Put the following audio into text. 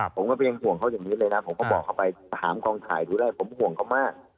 ผมก็ไปยังห่วงเขาอย่างนี้เลยนะผมก็บอกเขาไปถามกองถ่ายดูได้ผมห่วงเขามาก